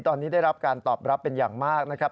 ตอนนี้ได้รับการตอบรับเป็นอย่างมากนะครับ